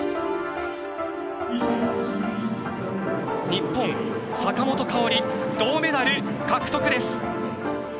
日本坂本花織銅メダル獲得です！